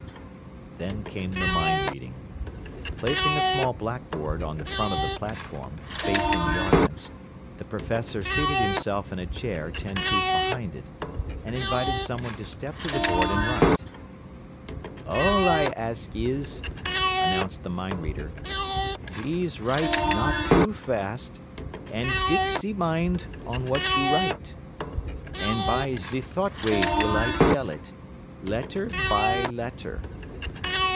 Then came the "mind reading." Placing a small blackboard on the front of the platform, facing the audience, the professor seated himself in a chair ten feet behind it, and invited someone to step to the board and write. "All I ask is," announced the mind reader, "please write not too fast, and fix ze mind on what you write. And by ze thought wave will I tell it, letter by letter."